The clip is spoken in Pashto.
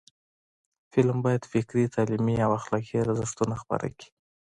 فلم باید فکري، تعلیمي او اخلاقی ارزښتونه خپاره کړي